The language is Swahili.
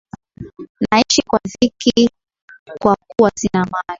Naishi kwa dhiki kwa kuwa sina mali.